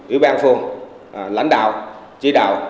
ủy ban phường lãnh đạo chỉ đạo